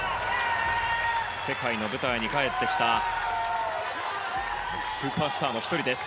世界の舞台に帰ってきたスーパースターの１人です。